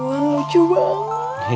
woh lucu banget